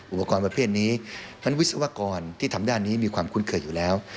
อุปกรณ์ประเภทนี้นั้นวิศวกรที่ทำด้านนี้มีความคุ้นเคยอยู่แล้ว